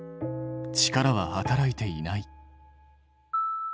力は働いていない。